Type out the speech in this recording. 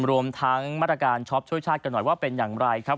รวมทั้งมาตรการช็อปช่วยชาติกันหน่อยว่าเป็นอย่างไรครับ